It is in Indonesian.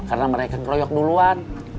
karena mereka keroyok duluan